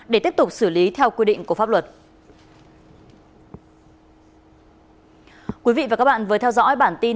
để tiếp tục xử lý theo quy định của pháp luật